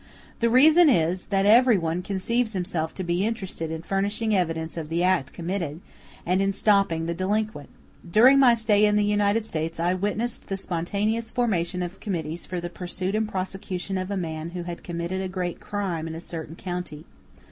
The reason is, that every one conceives himself to be interested in furnishing evidence of the act committed, and in stopping the delinquent. During my stay in the United States I witnessed the spontaneous formation of committees for the pursuit and prosecution of a man who had committed a great crime in a certain county.